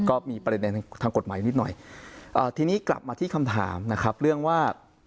ก็มีประเด็นทางกฎหมายนิดหน่อยทีนี้กลับมาที่คำถามนะครับเรื่องว่า